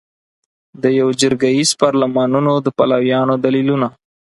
د یوه جرګه ایز پارلمانونو د پلویانو دلیلونه